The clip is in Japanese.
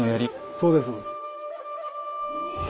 そうです。